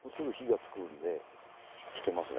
つけますね。